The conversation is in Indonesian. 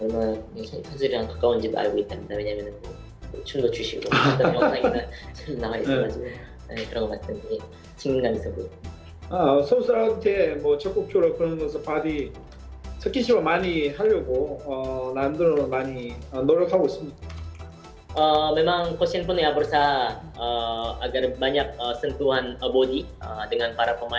memang shin taeyong juga berusaha agar banyak sentuhan bodi dengan para pemain